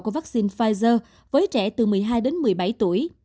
của vaccine pfizer với trẻ từ một mươi hai đến một mươi bảy tuổi